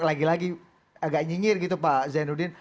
lagi lagi agak nyinyir gitu pak zainuddin